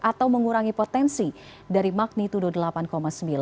atau mengurangi potensi dari magnitudo delapan sembilan